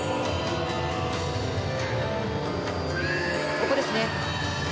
ここですね。